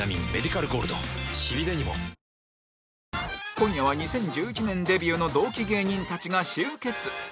今夜は２０１１年デビューの同期芸人たちが集結